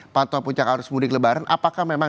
pantau puncak arus mudik lebaran apakah memang